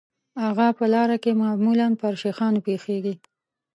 هغه په لاره کې معمولاً پر شیخانو پیښیږي.